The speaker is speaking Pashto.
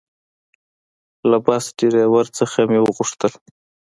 له بس ډریور نه مې وغوښتل.